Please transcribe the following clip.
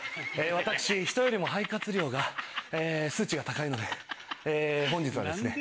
私１人でも肺活量が数値が高いので本日はですね